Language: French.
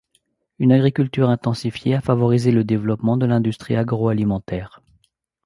Une agriculture intensifiée a favorisé le développement de l'industrie agroalimentaire.